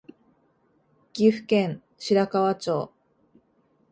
岐阜県白川町